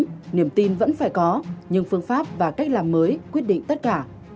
nhưng niềm tin vẫn phải có nhưng phương pháp và cách làm mới quyết định tất cả